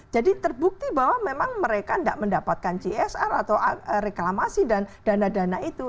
jadi terbukti bahwa memang mereka tidak mendapatkan cisr atau reklamasi dan dana dana itu